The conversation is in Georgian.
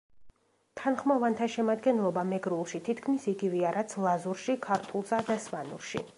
თანხმოვანთა შემადგენლობა მეგრულში თითქმის იგივეა, რაც ლაზურში, ქართულსა და სვანურში.